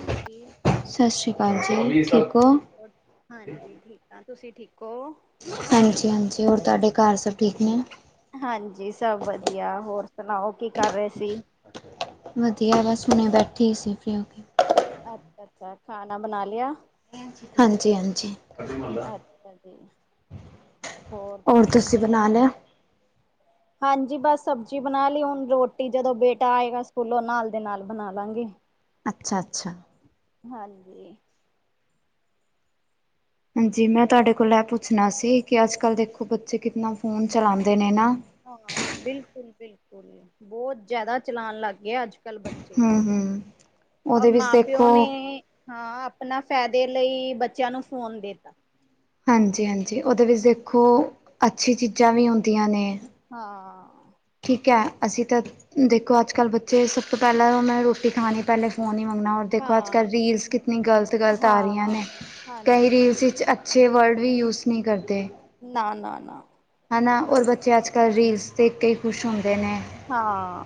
ਸ਼ਸ਼ੀ ਕੀ ਸਸ ਸ੍ਰੀ ਕਾਲ ਜੀ ਠੀਕ ਹੋ। ਹਾਂਜੀ ਠੀਕ ਆ ਤੁਸੀਂ ਠੀਕ ਔ। ਹਾਂਜੀ-ਹਾਂਜੀ ਹੋਰ ਤੁਹਾਡੇ ਕਾਰ ਸਭ ਠੀਕ ਨੇ। ਹਾਂਜੀ ਵਧੀਆ ਹੋਰ ਸੁਣਾਓ ਕੀ ਕਰ ਰਹੇ ਸੀ। ਵਧੀਆ ਬਸ ਹੁਣੇ ਬੈਠੇ ਸੀ ਫ੍ਰੀ ਹੋ ਕੇ। ਅੱਛਾ-ਅੱਛਾ ਖਾਣਾ ਬਨਾ ਲਿਆ। ਹਾਂਜੀ-ਹਾਂਜੀ ਅੱਛਾ ਜੀ। ਹੋਰ ਤੁਸੀਂ ਨਾ ਲਿਆ। ਹਾਂਜੀ ਬਸ ਸਬਜ਼ੀ ਬਣਾ ਲਈ ਹੁਣ ਰੋਟੀ ਜਦੋਂ ਬੇਟਾ ਆਏਗਾ ਸਕੂਲੋਂ ਨਾਲ ਦੇ ਨਾਲ ਬਣਾ ਲਾਂਗੇ। ਅੱਛਾ-ਅੱਛਾ। ਹਾਂਜੀ। ਹਾਂਜੀ ਮੈਂ ਹੋਰ? ਤੁਹਾਡੇ ਕੋਲ ਐ ਪੁੱਛਣਾ ਸੀ ਕਿ ਅੱਜ ਕੱਲ ਦੇਖੋ ਬੱਚੇ ਕਿਤਨਾ ਫੋਨ ਚਲਾਂਦੇ ਨੇ ਨਾ। ਹਾਂ ਬਿਲਕੁਲ-ਬਿਲਕੁਲ ਬੋਤ ਜਾਦਾ ਚਲਾਨ ਲਗ ਗਏ ਅੱਜ-ਕੱਲ ਬ ਹਮ ਹਮ ਔਰ ਉਹਦੇ ਵਿੱਚ ਮਾਂ ਪਿਓ ਦੇਖੋ ਨੇ ਹਾਂ ਆਪਣਾ ਫੈਦੇ ਲਈ ਬੱਚਿਆਂ ਨੂੰ ਫੋਨ ਦੇਤਾ। ਹਾਂਜੀ-ਹਾਂਜੀ ਉਦੇ ਵਿੱਚ ਦੇਖੋ ਅੱਛੀ ਚੀਜ਼ਾਂ ਵੀ ਹੁੰਦੀਆਂ ਨੇ। ਹਾਂ। ਠੀਕ ਐ ਅਸੀਂ ਤਾਂ ਦੇਖੋ ਅੱਜ ਕੱਲ ਬੱਚੇ ਸਭ ਤੋਂ ਪੈਲਾਂ ਮੈਂ ਰੋਟੀ ਖਾਣੀ ਪੈਲੇ ਫੋਨ ਈ ਮੰਗਣਾ। ਦੇਖੋ ਅੱਜ ਹਾਂ, ਕੱਲ ਰੀਲਸ ਕਿੰਨੀ ਗਲਤ-ਗਲਤ ਆ ਰਈਆਂ ਨੇ ਹਾਂ ਕਈ ਹਾਂਜੀ ਰੀਲਸ ਇਚ ਅੱਛੇ ਵਰਡ ਵੀ ਯੂਜ ਨੀ ਕਰਦੇ ਨਾ ਨਾ ਨਾ ਹਨਾ ਔਰ ਬੱਚੇ ਅੱਜ ਕੱਲ ਹਮ ਰੀਲਸ ਦੇਖ ਕੇ ਈ ਖੁਸ਼ ਹੁੰ ਹਾਂ,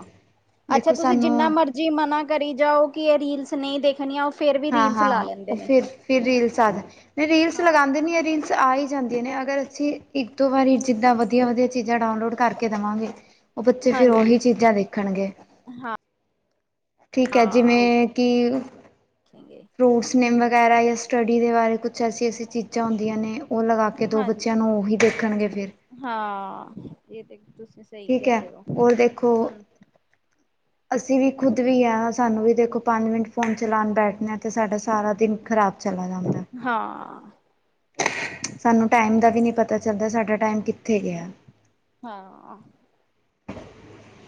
ਅੱਛਾ ਦੇਖੋ ਤੁਸੀਂ ਜਿੰਨਾ ਸਾਨੂੰ ਮਰਜ਼ ਜੀ ਮਨਾ ਕਰੀ ਜਾਓ ਕਿ ਏ ਰੀਲਸ ਨਈ ਦੇਖਣੀਆ ਹਾਂ-ਹਾਂ ਉਹ ਫਿਰ-ਫਿਰ ਰੀਲਸ ਆ ਜਾਂਦੀ ਰੀਲਸ ਲਗਾਂਦੇ ਨੀ ਐ ਰੀਲਸ ਆ ਹੀ ਜਾਂਦੀਆ ਨੇ। ਅਗਰ ਅਸੀਂ ਇੱਕ ਦੋ ਵਾਰੀ ਜਿੱਦਾਂ ਵਧੀਆ-ਵਧੀਆ ਚੀਜ਼ਾਂ ਡਾਊਨਲੋਡ ਕਰਕੇ ਦੇਵਾਂਗੇ ਉਹ ਬੱਚੇ ਫੇਰ ਹਾਂਜੀ ਉਹੀ ਚੀਜ਼ਾਂ ਦੇਖਣਗੇ। ਹਾਂ ਠੀਕ ਐ ਹਾਂ ਜਿਵੇਂ ਕਿ ਦੇਖੇਗੇ ਫਰੂਟਸ ਨੇਮ ਹਮ ਵਗੈਰਾ ਯਾ ਸਟੱਡੀ ਦੇ ਬਾਰੇ ਕੁਛ ਐਸੀ-ਐਸੀ ਚੀਜ਼ ਚਾ ਹੁੰਦੀਆਂ ਨੇ ਉਹ ਲਗਾ ਕੇ ਦੋ ਹਾਂਜੀ ਬੱਚਿਆਂ ਨੂੰ ਉਹੀ ਦੇਖਣਗੇ ਫੇਰ। ਹਾਂ ਏ ਤੇ ਤੁਸੀਂ ਸਈ ਠੀਕ ਕੇ ਹੈ ਰਹੇ ਹੋ, ਔਰ ਦੇਖੋ ਹੂੰ। ਅਸੀਂ ਵੀ ਖੁਦ ਵੀ ਹਾਂ ਸਾਨੂੰ ਵੀ ਦੇਖੋ ਪੰਜ ਮਿੰਟ ਫੋਨ ਚਲਾਉਣ ਬੈਠਦੇ ਹਾਂ ਤੇ ਸਾਡਾ ਸਾਰਾ ਦਿਨ ਖ਼ਰਾਬ ਚਲਾ ਜਾਂਦਾ। ਹਾਂ। ਸਾਨੂੰ ਟਾਈਮ ਦਾ ਵੀ ਨੀ ਪਤਾ ਚੱਲਦਾ ਸਾਡਾ ਟਾਈਮ ਕਿੱਥੇ ਗਿਆ। ਹਾਂ।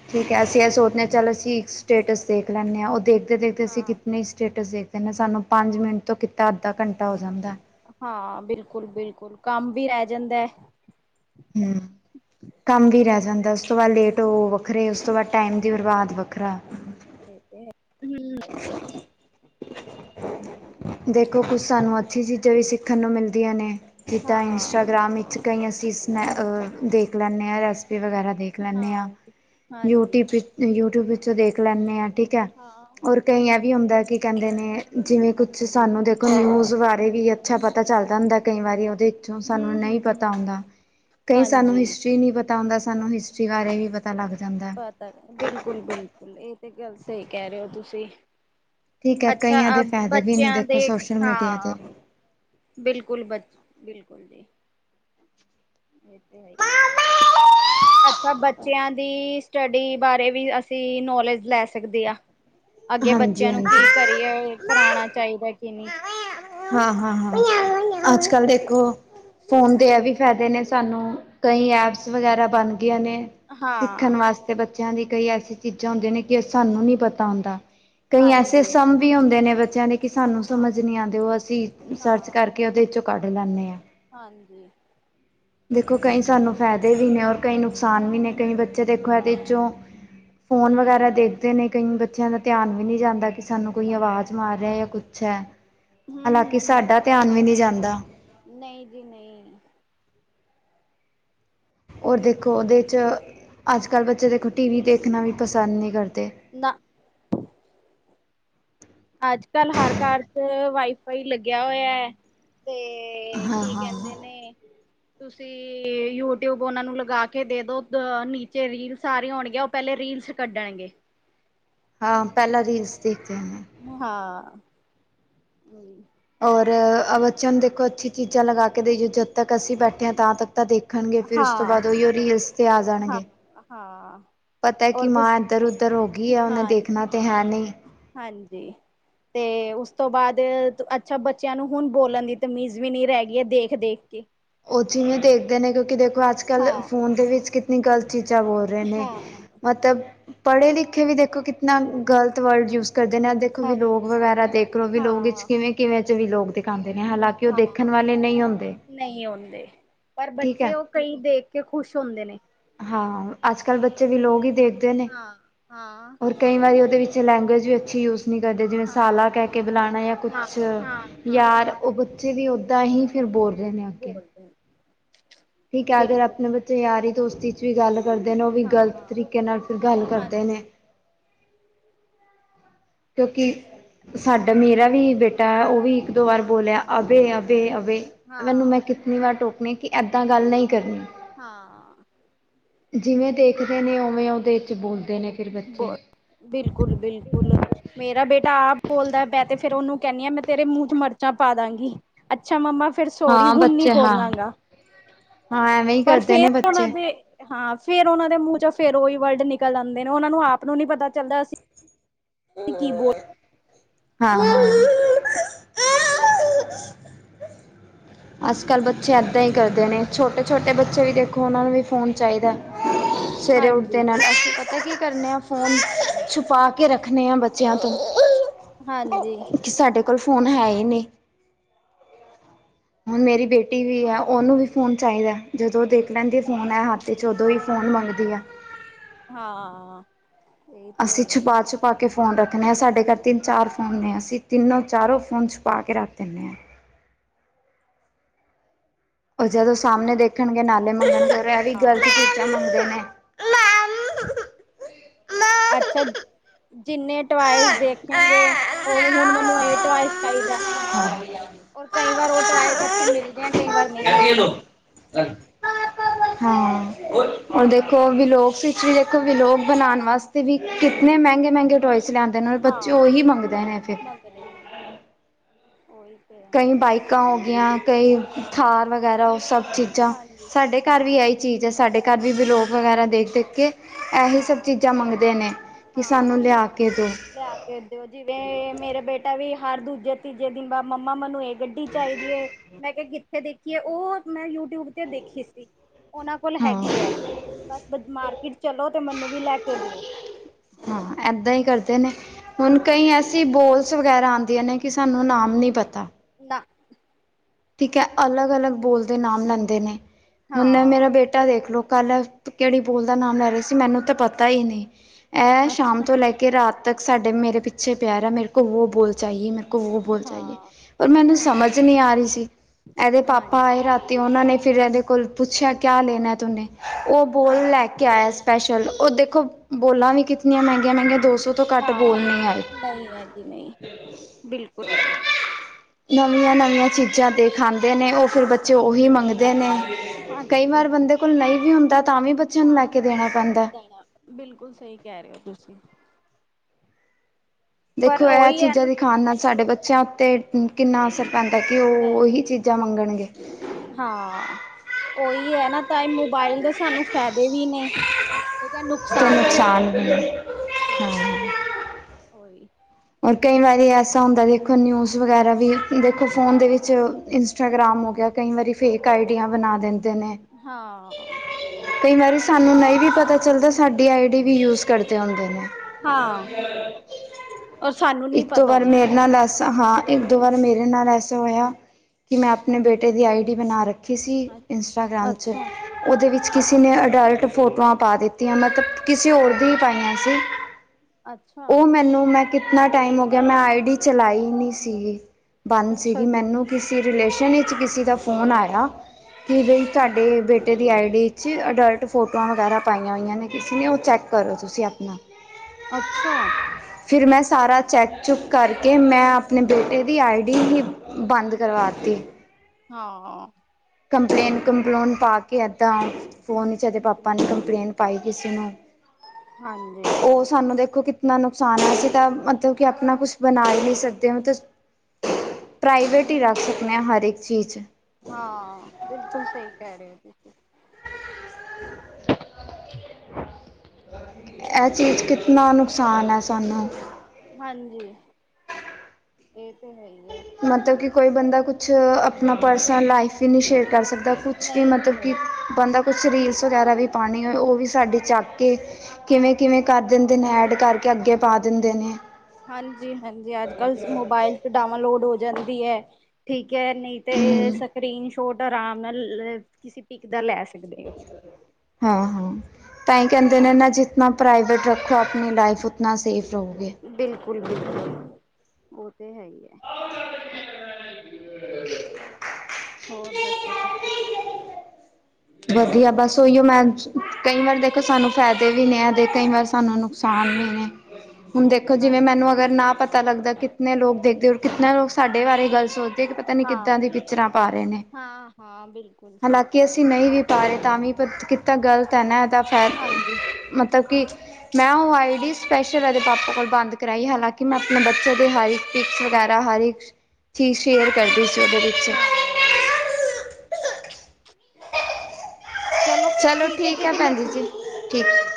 ਠੀਕ ਐ ਅਸੀਂ ਐ ਸੋਚਨੇ ਆ ਚੱਲ ਅਸੀਂ ਇੱਕ ਸਟੇਟਸ ਦੇਖ ਲੈਂਨੇ ਆ ਉਹ ਦੇਖਦੇ-ਦੇਖਦੇ ਅਸੀਂ ਹਾਂ ਕਿਤਨੇ ਈ ਸਟੇਟਸ ਦੇਖ ਜਨੇ ਸਾਨੂੰ ਪੰਜ ਮਿੰਟ ਤੋਂ ਕੀਤਾ ਅੱਧਾ ਘੰਟਾ ਹੋ ਜਾਂਦਾ। ਹਾਂ ਬਿਲਕੁਲ-ਬਿਲਕੁਲ ਕੰਮ ਵੀ ਰਹਿ ਜਾਂਦਾ ਏ ਹੂੰ। ਕੰਮ ਵੀ ਰਹਿ ਜਾਂਦਾ, ਉਸ ਤੋਂ ਬਾਅਦ ਲੇਟ ਹੋ ਵੱਖਰੇ, ਉਸ ਤੋਂ ਬਾਅਦ ਟਾਈਮ ਦੀ ਬਰਬਾਦ ਵੱਖਰਾ [unintelligible] ਦੇਖੋ ਕੁਛ ਸਾਨੂੰ ਅੱਛੀ ਚੀਜ਼ਾਂ ਵੀ ਸਿੱਖਣ ਨੂੰ ਮਿਲਦੀਆਂ ਨੇ ਹਾਂ ਜਿਦਾ ਇੰਸਟਾਗ੍ਰਾਮ ਵਿੱਚ ਕਈ ਅਸੀਂ ਸਨੈ ਦੇਖ ਲੈਂਦੇ ਹਾਂ ਰੈਸਪੀ ਵਗੈਰਾ ਦੇਖ ਹਾਂ ਲੈਂਦੇ ਆ, ਹਾਂਜੀ ਹਾਂਜੀ ਯੂਟਿਊਬ ਵਿੱਚ ਯੂਟਿਊਬ ਵਿੱਚੋਂ ਦੇਖ ਲੈਂਨੇ ਆ, ਠੀਕ ਹੈ ਹਾਂ ਔਰ ਕਈ ਐ ਵੀ ਹੁੰਦਾ ਕਿ ਕਹਿੰਦੇ ਨੇ ਜਿਵੇਂ ਕੁ ਤੇ ਸਾਨੂੰ ਦੇਖੋ ਨਿਊਜ਼ ਬਾਰੇ ਵੀ ਅੱਛਾ ਪਤਾ ਚੱਲਦਾ ਕਈ ਵਾਰੀ ਉਹਦੇ ਵਿੱਚੋ ਸਾਨੂੰ ਹੂੰ, ਨਹੀ ਹੂੰ, ਪਤਾ ਹੂੰ ਹੁੰਦਾ ਕਈ ਸਾਨੂੰ ਹਾਂਜੀ ਹਿਸਟਰੀ ਨੀ ਪਤਾ ਪ ਹੁੰਦਾ ਸਾਨੂੰ ਹਿਸਟਰੀ ਬਾਰੇ ਵੀ ਪਤਾ ਲੱਗ ਜਾਂਦਾ। ਬਿਲਕੁੱਲ ਬਿਲਕੁੱਲ, ਇਹ ਤੇ ਗੱਲ ਸਹੀ ਕਹਿ ਰਹੇ ਹੋ ਤੁਸੀਂ। ਠੀਕ ਹੈ ਅੱਛਾ ਕਈਆਂ ਅ ਦੇ ਫਾਇਦੇ ਵੀ ਨੇ ਬੱਚਿਆਂ ਦੇਖੋ ਦੇ ਸੋਸ਼ਲ ਮੀਡੀਆ 'ਤੇ ਹਾਂ। ਬਿਲਕੁਲ ਬਚ ਬਿਲਕੁਲ ਜੀ। ਇਹ ਤੇ ਹੈ ਹੀ ਏ। ਅੱਛਾ, ਬੱਚਿਆਂ ਦੀ ਸਟੱਡੀ ਬਾਰੇ ਵੀ ਅਸੀਂ ਨੌਲੇਜ ਲੈ ਸਕਦੇ ਆ। ਅੱਗੇ ਹਾਂਜੀ ਬੱਚਿਆਂ ਨੂੰ ਕੀ ਹਾਂਜੀ ਕਰੀਏ ਕਰਾਣਾ ਚਾਹੀਦਾ ਕਿ ਨਹੀਂ? ਹਾਂ, ਹਾਂ, ਹਾਂ, ਅੱਜ -ਕੱਲ ਦੇਖੋ ਫੋਨ ਦੇ ਇਹ ਵੀ ਫ਼ਾਇਦੇ ਨੇ ਸਾਨੂੰ, ਕਈ ਐਪਸ ਵਗੈਰਾ ਬਣ ਗਈਆਂ ਨੇ। ਹਾਂ। ਸਿੱਖਣ ਵਾਸਤੇ ਬੱਚਿਆਂ ਦੀ ਕਈ ਐਸੀ ਚੀਜ਼ਾਂ ਹੁੰਦੀਆਂ ਨੇ ਕੇ ਸਾਨੂੰ ਨੀ ਪਤਾ ਹੁੰਦਾ। ਕਈ ਐਸੇ ਹਾਂਜੀ ਸਮ ਵੀ ਹੁੰਦੇ ਨੇ ਬੱਚਿਆਂ ਦੇ ਕਿ ਸਾਨੂੰ ਹਾਂ, ਸਮਝ ਨੀ ਆਂਦੇ ਉਹ ਅਸੀਂ ਸਰਚ ਹਾਂ ਕਰ ਕੇ ਉਹਦੇ ਚੋਂ ਕੱਢ ਲੈਂਨੇ ਆ। ਹਾਂਜੀ ਦੇਖੋ ਕਈ ਸਾਨੂੰ ਫ਼ਾਇਦੇ ਵੀ ਨੇ ਔਰ ਕਈ ਨੁਕਸਾਨ ਹੂੰ, ਵੀ ਨੇ ਹੂੰ ਕਈ ਬੱਚੇ ਤੇ ਦੇਖੋ ਇਹਦੇ ਚੋ ਫੋਨ ਵਗੈਰਾ ਦੇਖਦੇ ਨੇ ਕਈ ਬੱਚਿਆਂ ਦਾ ਧਿਆਨ ਵੀ ਨੀ ਜਾਂਦਾ ਵੀ ਕੀ ਸਾਨੂੰ ਕੋਈ ਨਾ ਆਵਾਜ਼ ਮਾਰ ਰਿਹਾ ਜਾਂ ਕੁਛ ਹੈ, ਹੂੰ, ਹਾਲਾਂਕਿ ਹੂੰ, ਹੂੰ ਸਾਡਾ ਧਿਆਨ ਵੀ ਨੀ ਜਾਂਦਾ। ਨਹੀਂ ਜੀ ਨਹੀਂ। ਔਰ ਦੇਖੋ ਉਹਦੇ 'ਚ ਅੱਜ ਕੱਲ ਬੱਚੇ ਦੇਖੋ ਟੀ ਵੀ ਦੇਖਣਾ ਵੀ ਪਸੰਦ ਨਹੀਂ ਕਰਦੇ। ਨਾ। ਅੱਜ ਕੱਲ੍ਹ ਹਰ ਘਰ ਚ ਵਾਈਫਾਈ ਲੱਗਿਆ ਹੋਇਆ ਤੇ ਤੇ ਕੀ ਕਹਿੰਦੇ ਨੇ ਤੁਸੀਂ ਯੂਟਿਊਬ ਉਹਨਾਂ ਨੂੰ ਲਗਾ ਕੇ ਦੇ ਦੋ ਅ ਨੀਚੇ ਰੀਲ ਸਾਰੀਆਂ ਹੋਣਗੀਆਂ ਉਪ ਪਹਿਲੇ ਰੀਲਸ ਕੱਢਣਗੇ। ਹਾਂ ਪਹਿਲਾ ਰੀਲਸ ਦੇਖਦੇ ਨ। ਹਾਂ [unintelligible] ਔਰ ਅ ਬੱਚਿਆ ਨੂੰ ਦੇਖੋ ਅੱਛੀ ਚੀਜ਼ਾਂ ਲਗਾ ਕੇ ਦੇਈਏ ਂ, ਜਦ ਤੱਕ ਅਸੀਂ ਬੈਠੇ ਹਾਂ ਤਾਂ, ਤਾਂ ਦੇਖ ਖਣਗੇ ਫਿਰ ਉਸ ਤੋਂ ਹਾਂ ਬਾਅਦ ਉਹੀ ਉਹ ਰੀਲਸ ਤੇ ਆ ਹਾਂ ਜਾਣਗੇ। ਹਾਂ। ਪਤਾ ਕਿ ਔਰ ਤੁਸ ਮਾਂ ਇੱਧਰ ਉੱਧਰ ਹੋ ਗਈ ਆ ਉਹਨੇ ਹਾਂ ਦੇਖਣਾ ਤੇ ਹੈ ਨੀ। ਹਾਂਜੀ। ਤੇ ਉਸ ਤੋਂ ਬਾਅਦ ਅੱਛਾ ਬੱਚਿਆਂ ਨੂੰ ਹੁਣ ਬੋਲਣ ਦੀ ਤਮੀਜ਼ ਵੀ ਨਹੀਂ ਰਹਿ ਗਈ ਹੈ ਦੇਖ ਦੇਖ ਕੇ। ਉਥੇ ਇਵੇਂ ਦੇਖਦੇ ਨੇ ਕਿਉਂਕਿ ਦੇਖੋ ਅੱਜ ਕੱਲ ਹਾਂ ਫੋਨ ਦੇ ਵਿੱਚ ਕਿ ਨੀ ਗਲਤ ਚੀਜਾ ਬੋਲ ਰਹੇ ਨੇ। ਹਾਂ ਮਤਲਬ ਪੜ੍ਹੇ ਲਿਖੇ ਵੀ ਦੇਖੋ ਕਿਤਨਾ ਗਲਤ ਵਰਡ ਯੂਜ ਕਦੇ ਨਾ ਦੇਖੋ ਹਾਂ ਵੀਲੋਗ ਵਗੈਰਾ ਦੇਖ ਲੋ, ਹਾਂ ਵੀਲੋਗ ਇਚ ਕਿਵੇਂ-ਕਿਵੇਂ ਚ ਵੀਲੋਗ ਦੇ ਕਾਂਦੇ ਨੇ, ਹਲਾਂਕਿ ਓ ਦੇਖਨ ਵਾਲੇ ਨਈ ਹੁੰਦੇ। ਨਈ ਹੋਂਦੇ ਪਰ ਠੀਕ ਬੱਚੇ ਹੈ ਓ ਕਈ ਦੇਖ ਕੇ ਖ਼ੁਸ਼ ਹੋਂਦੇ ਨੇ। ਹਾਂ, ਆੱਜ-ਕਾੱਲ ਬੱਚੇ ਵੀਲੋਗ ਈ ਦੇਖਦੇ ਨੇ, ਹਾਂ ਹਾਂ ਔਰ ਕਈ ਵਾਰੀ ਓਦੇ ਵਿੱਚ ਲੈਂਗੁਏਜ ਵੀ ਅੱਛੀ ਯੂਜ਼ ਨੀ ਕਰਦੇ, ਜਿਵੇਂ ਸਾਲਾ ਹਾਂ। ਕੈਅ ਕੇ ਬੁਲਾਣਾ ਯਾ ਹਾਂ ਕੁੱਛ, ਹਾਂ ਯਾਰ ਹਾਂ ਓ ਬੱਚੇ ਵੀ ਓਂਦਾ ਹੀ ਫਿਰ ਬੋਲ ਰੇ ਨੇ ਅੱਗੇ। ਬੋਲਦੇ ਨੇ ਠੀਕ ਐ ਅਗਰ ਬਿਲਕੁਲ। ਅਪਨੇ ਬੱਚੇ ਯਾਰੀ-ਦੋਸਤੀ ਚ ਵੀ ਗਾੱਲ ਕਰਦੇ ਨੇ, ਓ ਵੀ ਗਲਤ ਹਾਂ ਤਰੀਕੇ ਨਾਲ ਫਿਰ ਗਾੱਲ ਹਾਂ ਕਰਦੇ ਨੇ। ਕਿਉਂਕਿ ਸਾਡਾ, ਮੇਰਾ ਵੀ ਬੇਟਾ, ਓ ਵੀ ਇੱਕ-ਦੋ ਵਾਰ ਬੋਲੇਆ ਅਬੇ, ਅਬੇ, ਅਬੇ। ਐਨਾ ਨੂੰ ਮੈਂ ਹਾਂ ਕਿਤਨੀ ਵਾਰ ਟੋਕਨੀ ਆਂ ਕਿ ਏਦਾਂ ਗਾੱਲ ਨਈ ਕਰਨੀ। ਹਾਂ। ਜਿਵੇਂ ਦੇਖਦੇ ਨੇ ਓਵੇਂ ਓਦੇ ਚ ਬੋਲਦੇ ਨੇ ਫਿਰ ਬੱਚੇ। ਬਿਲਕੁਲ-ਬਿਲਕੁਲ। ਮੇਰਾ ਬੇਟਾ ਆਪ ਬੋਲਦੈ, ਮੈਂ ਤੇ ਫੇਰ ਓਨੂੰ ਕੈਨੀ ਆਂ, ਮੈਂ ਤੇਰੇ ਮੂੰਹ ਚ ਮਰਚਾਂ ਪਾ ਦਾਂਗੀ। ਅੱਛਾ ਮੰਮਾ ਫਿਰ ਸੋਰੀ, ਹਾਂ ਹੁਨ ਨੀ ਬੱਚੇ ਹਾਂ ਬੋਲਾਂਗਾ। ਹਾਂ ਐਵੇਂ ਹੀ ਪਰ ਕਰਦੇ ਨੇ ਫੇਰ ਓਨਾਂ ਬੱਚੇ ਦੇ ਹਾਂ ਫੇਰ ਓਨਾਂ ਦੇ ਮੂੰਹ ਚ ਫੇਰ ਓਈ ਵਰਡ ਨਿਕਲ ਆਂਦੇ ਨੇ, ਓਨਾਂ ਨੂੰ ਆਪ ਨੂੰ ਨੀ ਪਤਾ ਚੱਲਦਾ ਅਸੀ ਕੀ ਬੋਲ ਹਾਂ। [unintelligible] ਆੱਜ-ਕਾੱਲ ਬੱਚੇ ਏਦਾਂ ਈ ਕਰਦੇ ਨੇ। ਛੋਟੇ-ਛੋਟੇ ਬੱਚੇ ਵੀ ਦੇਖੋ ਓਨਾਂ ਨੂੰ ਵੀ ਫੋਨ ਚਾਈਦੈ। ਸਵੇਰੇ ਉੱਠਦੇ ਹਾਂਜੀ ਨਾਲ, ਅਸੀ ਪਤਾ ਕੀ ਕਰਨੇ ਆਂ ਫੋਨ ਛੁਪਾ ਕੇ ਰੱਖਨੇ ਆਂ ਬੱਚੇਆਂ ਤੋਂ। ਹਾਂਜੀ। ਕਿ ਸਾਡੇ ਕੋਲ ਫੋਨ ਹੈ ਈ ਨੀ। ਹੁਨ ਮੇਰੀ ਬੇਟੀ ਵੀ ਹੈ, ਓਨੂੰ ਵੀ ਫੋਨ ਚਾਈਦੈ ਜਦੋਂ ਦੇਖ ਲੈਂਦੀ ਫੋਨ ਐ ਹੱਤ ਤੇਚ ਓਦੋਂ ਈ ਫੋਨ ਮੰਗਦੀ ਐ। ਹਾਂ। ਇਹ ਤੇ ਹੈ ਅਸੀ ਹੀ ਹੈ। ਛੁਪਾ-ਛੁਪ ਛੁਪਾ ਕੇ ਫੋਨ ਰੱਖਨੇ ਆਂ, ਸਾਡੇ ਘਾਰ ਤਿੰਨ-ਚਾਰ ਫੋਨ ਨੇ, ਅਸੀ ਤਿੰਨੋਂ-ਚਾਰੋਂ ਫੋਨ ਛੁਪਾ ਕੇ ਰਾੱਖ ਦੇਨੇ ਆਂ। ਓ ਜਦੋਂ ਸਾਮਨੇ ਦੇਖਨਗੇ ਨਾਲੇ ਮੰਗਨ ਗੇ, ਔਰ ਐਵੀ ਗ਼ਲਤ ਹਾਂ, ਚੀਜਾਂ ਮੰਗਦੇ ਨੇ। ਅੱਛਾ ਜਿੰਨੇ ਟੁਏਸ ਦੇਖੇਂਗੇ, ਓ ਹੁਨ ਮੈਨੂੰ ਏ ਟੁਏਸ ਚਾਈਦੈ। ਔਰ ਕਈ ਵਾਰ ਓ ਟੁਏਸ ਏਥੇ ਮਿਲਦੇ ਐਂ, ਕਈ ਵਾਰ ਨਈ ਕਰ ਮਿਲਦੇ। ਲੋ ਗੱਲ ਹਾਂ, ਓ ਦੇਖੋ ਵੀਲੋਕਸ ਇਚ ਤੂਸੀ ਵੇਖੋ ਵਿਲੋਗ ਬਨਾਨ ਵਾਸਤੇ ਵੀ ਕਿਤਨੇ ਮੈਂਗੇ-ਮੈਂਗੇ ਟੋਏਸ ਚਲਾਂਦੇ ਨੇ, ਬੱਚੇ ਹਾਂ, ਓਹੀ ਮੰਗਦੇ ਨੇ ਫੇਰ। ਮੰਗਦੇ ਨੇ, ਓਈ। ਕਈ ਬਾਈਕਾਂ ਹੋ ਗੀਆਂ, ਕਈ ਥਾਰ ਵਗੈਰਾ ਓ ਸਬ ਚੀਜਾਂ, ਹਾਂਜੀ, ਸਾਡੇ ਘਾਰ ਵੀ ਹਾਂ, ਐਈ ਚੀਜ ਐ, ਸਾਡੇ ਘਾਰ ਵੀ ਵੀਲੋਗ ਵਗੈਰਾ ਹਾਂ, ਦੇਖ-ਦੇਖ ਕੇ, ਐਹੀ ਸਬ ਹਾਂ, ਚੀਜਾਂ ਮੰਗਦੇ ਨੇ। ਕਿ ਸਾਨੂੰ ਲੇਆ ਕੇ ਦੋ। ਲੇਆ ਕੇ ਦੇਓ, ਜਿਵੇਂ ਮੇਰੇ ਬੇਟਾ ਵੀ ਹਰ ਦੂਜੇ-ਤੀਜੇ ਦਿਨ ਬਾਦ, ਮੰਮਾ ਮੈਨੂੰ ਏ ਗੱਡੀ ਚਾਈਦੀ ਏ, ਮੈਂ ਕੇਆ ਕਿੱਥੇ ਦੇਖੀ ਏ, ਓ ਮੈਂ ਯੂਟਿਊਬ ਤੇ ਦੇਖੀ ਸੀ। ਓਨਾਂ ਕੋਲ ਹਾਂ ਹੈਗੀ ਐ, ਬੱਸ ਬ ਮਾਰਕੀਟ ਚਲੋ, ਤੇ ਮੈਨੂੰ ਵੀ ਲੈ ਕੇ ਦੇਓ। ਹਾਂ, ਏਦਾਂ ਈ ਕਰਦੇ ਨੇ ਹੁਨ ਹਾਂ। ਕਈ ਐਸੇ ਤੇ ਬੋਲਸ ਵਗੈਰਾ ਆਂਦੀਆਂ ਨੇ ਕੀ ਸਾਨੂੰ ਨਾਮ ਨੀ ਪਤਾ। ਨਾ ਠੀਕ ਐ ਅਲੱਗ-ਅਲੱਗ ਬੋਲ ਦੇ ਨਾਮ ਲੈਂਦੇ ਨੇ, ਹੁਨ ਐ ਹਾਂ ਮੇਰਾ ਬੇ ਟਾ ਦੇਖ ਲੋ ਕੱਲ, ਕੇੜੀ ਬੋਲ ਦਾ ਨਾਮ ਲੈ ਰੇਆ ਸੀ ਮੈਨੂੰ ਤੇ ਪਤਾ ਈ ਨਈ। ਐ ਸ਼ਾਮ ਅੱਛਾ। ਤੋਂ ਲੈ ਕੇ ਰਾਤ ਤੱਕ ਸਾਡੇ ਮੇਰੇ ਪਿੱਛੇ ਪੇਆ ਰੇਆ ਮੇਰ ਕੋ ਵੋ ਬੋਲ ਚਾਈਏ ਮੇਰ ਕੋ ਵੋ ਬੋਲ ਚਈਏ ਹਾਂ, ਪਰ ਮੈਨੂੰ ਹਾਂ, ਸਮਜ ਨੀ ਆਰੀ ਸੀ ਐਦੇ ਪਾਪਾ ਹਾਂਜੀ। ਆਏ ਰਾਤੀ ਓਨਾਂ ਨੇ ਫੇਰ ਐਦੇ ਕੋਲ ਪੁੱਛੇਆ ਕੇਆ ਲੈਨਾ ਏ ਤੂਨੇ ਓ ਬੋਲ ਹਾਂ, ਲੈ ਕੇ ਆਏਆ ਸਪੈਸ਼ਲ ਓ ਦੇਖੋ, ਬੋਲਾਂ ਵੀ ਕਿਤਨੀਆਂ ਮੈਂਗੀਆਂ ਮੈਗੀਆਂ ਦੋ ਸੋ ਹਾਂ, ਨਈ ਹੈਗੀ ਨਈ ਬਿਲਕੁਲ ਨਵੀਆਂ-ਨਵੀਆਂ ਚੀਜਾਂ ਦੇਖ ਆਂਦੇ ਨੇ ਓ ਫੇਰ ਬੱਚੇ ਹਾਂ, ਓਹੀ ਮੰਗਦੇ ਨੇ, ਕਈ ਹਾਂਜੀ ਵਾਰ ਬੰਦੇ ਕੋਲ ਨਈ ਵੀ ਹੁੰਦਾ ਤਾਂ ਵੀ ਬੱ ਹਾਂ ਭੈਣਾਂ, ਬਿਲਕੁਲ ਸਈ ਕੈ ਰੇ ਓ ਤੁਸੀ। ਪਰ ਦੇਖੋ ਐ ਉਹੀ ਹੈ ਚੀਜਾਂ ਨਾ ਦੀਖਾਨ ਨਾਲ ਸਾਡੇ ਬੱਚੇਆਂ ਉੱਤੇ, ਕਿੰਨਾ ਅਸਰ ਪੈਂਦਾ ਕਿ ਓ ਪੈਰ ਓਹੀ ਚੀਜਾ ਮੰਗਣਗੇ ਹਾਂ, ਓਈ ਐ ਨਾ ਤਾਈ ਮੋਬਾਇਲ ਦੇ ਸਾਨੂੰ ਫੈਦੇ ਵੀ ਨੇ ਓਦੈ ਤੇ ਨੁਕਸਾਨ ਵੀ ਨੇ, ਵੀ ਹਾਂ। ਹਾਂ ਓਈ ਔਰ ਕਈ ਵਾਰੀ ਐਸਾ ਹੁੰਦੈ ਵੇਖੋ ਨਿਊਜ਼ ਵਗੈਰਾ ਵੀ ਦੇਖੋ ਫੋਨ ਦੇ ਵਿੱ 'ਚ ਇੰਸਟਾਗ੍ਰਾਮ ਹੋ ਗੇਆ ਕਈ ਵਾਰੀ ਫੇਕ ਆਈੜੀਆਂ ਬਨਾ ਦੇੰਦੇ ਨੇ ਹਾਂ, ਕਈ ਵਾਰੀ ਸਾਨੂੰ ਨਈ ਵੀ ਪਤਾ ਚੱਲਦਾ ਸਾਡੀ ਆਈ ਡੀ ਵੀ ਯੂਜ਼ ਕਰਦੇ ਹੋਂਦੇ ਨੇ ਹਾ ਇੱਕ-ਦੋ ਪਤਾ ਵਾਰ ਮੇਰੇ ਹੁੰਦਾ। ਨਾਲ ਐਸਾ ਹਾਂ ਇੱਕ-ਦੋ ਵਾਰ ਮੇਰੇ ਨਾਲ ਐਸਾ ਹੋਏਆ, ਕਿ ਮੈਂ ਆਪਨੇ ਬੇਟੇ ਦੀ ਆਈ ਡੀ ਬਨਾ ਰੱ ਖੀ ਸੀ, ਇੰਸਟਾਗ੍ਰਾਮ 'ਚ ਅੱਛਾ ਓਦੇ ਵਿੱਚ ਕਿਸੇ ਅੱਛਾ ਨੇ ਅਡੱਲਟ ਫੋਟੋਆਂ ਪਾ ਦਿੱਤੀਆਂ ਮਤਬ ਕਿਸੇ ਹੋਰ ਦੀ ਹਾਂ ਪਾਈਆਂ ਸੀ, ਅੱਛਾ ਓ ਮੈਨੂੰ ਮੈਂ ਕਿਤਨਾ ਟਾਈਮ ਹੋ ਗੇਆ ਮੈਂ ਆਈ ਡੀ ਚਲਾਈ ਨੀ ਸੀਗੀ, ਬੰਦ ਅੱਛਾ ਸੀਗੀ ਜੀ ਮੈਨੂੰ ਕਿਸੀ ਰਿਲੇਸ਼ਨ ਇੱਚ ਕਿਸੇ ਦਾ ਫੋਨ ਆਏਆ, ਕਿ ਬਈ ਤੁਆਡੇ ਅੱਛਾ ਬੇ ਬਟੇ ਦੀ ਆਈ ਡੀ 'ਚ ਅਡਲਟ ਫੋਟੋਆਂ ਵਗੈਰਾ ਪਾਈਆਂ ਹੋਈਆਂ ਨੇ ਕਿਸੇ ਨੇ ਓ ਚੈੱਕ ਕਰੋ ਤੁਸੀਂ ਆਪਨਾ। ਅੱਛਾ ਫਿਰ ਮੈਂ ਸਾਰਾ ਚੈੱਕ-ਚੁੱਕ ਕਰਕੇ ਮੈਂ ਆਪਨੇ ਬੇਟੇ ਦੀ ਆਈ ਡੀ ਹੀ ਬਾੰਦ ਕਰਵਾ ਤੀ ਹਾਂ ਕੰਪਲੇਂਨ-ਕੁੰਪਲੂਨ ਪਾ ਕੇ ਏਦਾਂ, ਫੋਨੀ 'ਚ ਐਦੇ ਪਾਪਾ ਨੇ ਕੰਪਲੇਂਨ ਪਾਈ ਕਿਸੇ ਨੂੰ ਹਾਂਜੀ। ਓ ਸਾਨੂੰ ਦੇਖੋ ਕਿਤਨਾ ਨੁਕਸਾਨ ਐ, ਅਸੀਂ ਤਾਂ ਮਤਲਬ ਕਿ ਆਪਨਾ ਕੁਛ ਬਨਾ ਈ ਨੀ ਸਕਦੇ ਮਤਲਬ ਤ [inaudible] ਪ੍ਰਾਈਵੇਟੀ ਹਮ ਰਾੱਖ ਸਕਨੇ ਆਂ ਹਰੇਕ ਚੀਜ ਹਾਂ, ਬਿਲਕੁਲ ਸਈ ਕੈ ਰਏ ਓ ਤੁਸੀ। ਐ ਚੀਜ ਕਿਤਨਾ ਨੁਕਸਾਨ ਐ ਸਾਨੂੰ ਹਾਂਜੀ, ਏ ਤੇ ਹੈ ਈ ਏ ਮਤਬ ਕਿ ਕੋਈ ਬੰਦਾ ਕੁੱਛ, ਅਪਨਾ ਪਰਸਨ ਲਾਈਫ ਈ ਨੀ ਸ਼ੇਰ ਕਰ ਸਕਦਾਂ ਕੁੱਛ ਵੀ ਨਹੀਂ ਜੀ ਮਤਲਬ ਕਿ, ਨਹੀਂ ਬੰਦਾ ਕੁਛ ਰੀਲਸ ਵਗੈਰਾ ਵੀ ਪਾਨੀ ਹੋਏ ਓ ਵੀ ਸਾਡੀ ਹਾਂ ਚੱਕ ਕੇ ਕਿਵੇਂ-ਕਿਵੇਂ ਕਾਰ ਦਿੰਦੇ ਨੇ ਐੜ ਕਰਕੇ ਅੱਗੇ ਪਾ ਦਿੰਦੇ ਨੇ ਹਾਂਜੀ-ਹਾਂਜੀ, ਅੱਜ-ਕੱਲ ਸ ਮੋਬਾਇਲ 'ਚ ਡਾਵਾਂਲੋਡ ਹੋ ਜਾਂਦੀ ਐ ਠੀਕ‌ ਐ ਨਈ ਤੇ ਹੂੰ ਸਕਰੀਨ ਸ਼ੋਟ ਆਰਾਮ ਨਾਲ ਕਿਸੇ ਪਿਕ ਦਾ ਲੈ ਸਕਦੇ ਓ। ਹਾਂ- ਹਾਂ। ਤਾਂਈਂ ਕੈਂਦੇ ਹੋ ਨੇ ਨਾ ਜਿਤਨਾ ਪ੍ਰਾਈਵੇਟ ਰੱਖੋ ਆਪਣੀ ਲਾਈਫ ਉਤਨਾ ਸੇਫ ਰ‌ਓਗੇ। ਕੁਲਦੀਪ ਓ ਤੇ ਹੈ ਈ ਐ। [unintelligible] ਹੋਰ ਦੱਸੋ ਤੁਸੀਂ। ਵਧੀਆ ਬਸ ਓਈਓ ਮੈਂ ਕਈ ਵਾਰ ਦੇਖੋ ਸਾਨੂੰ ਫੈਦੇ ਵੀ ਨੇ ਐਦੇ, ਕਈ ਵਾਰ ਸਾਨੂੰ ਨੁਕਸਾਨ ਵੀ ਨੇ। ਹੁਣ ਦੇਖੋ ਜਿਵੇਂ ਹਾਂਜੀ ਮੈਨੂੰ ਅ ਅਗਰ ਨਾ ਪਤਾ ਲੱਗਦਾ ਕਿੰਨੇ ਲੋਕ ਦੇਖਦੇ, ਔਰ ਕਿਤਨਾ ਲੋਕ ਸਾਡੇ ਬਾਰੇ ਗੱਲ ਸੋਚਦੇ ਪਤਾ ਨੀ ਹਾਂ ਕਿੱਦਾਂ ਦੀ ਪਿਕਚਰਾਂ ਪਾ ਰ ਨੇ ਹਾਂ ਹਾਂ ਬਿਲਕੁਲ ਸਹੀ ਹਾਲਾਂਕਿ ਕਹਿ ਅਸੀਂ ਰਹੇ ਹੋ ਨੀ ਵੀ ਪਾ ਰੇ ਤਾਂ ਵੀ ਕੀਤਾ ਪਰ ਕਿਤਨਾ ਗਲਤ ਐ ਨਾ ਐਦਾ ਫੈਦਾ ਹਾਂਜੀ। ਮਤਬ ਕੀ ਮੈਂ ਓ ਆਈ ਡੀ ਸਪੈਸ਼ਲ ਏਦੇ ਪਾਪਾ ਕੋਲ ਬੰਦ ਕਰਾਈ, ਹਾਲਾਂਕਿ ਮੈਂ ਆਪਣੇ ਬੱਚਿਆਂ ਦੇ ਹਰ ਇੱਕ ਪਿਕਸ ਵਗੈਰਾ ਹਰ ਇੱਕ ਚੀਜ ਸ਼ੇਅਰ ਕਰਦੀ ਸੀ ਓਦੇ ਵਿੱਚ। ਹਾਂ। ਚਲੋ, ਠੀਕ ਏ ਦੀਦੀ ਮੈਂ, ਠੀ ਠੀਕ ਏ।